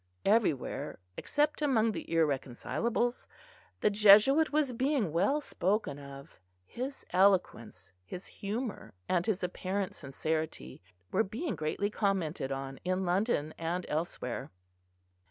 Everywhere, except among the irreconcilables, the Jesuit was being well spoken of: his eloquence, his humour, and his apparent sincerity were being greatly commented on in London and elsewhere.